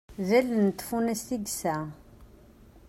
D allen n tfunast i yesɛa.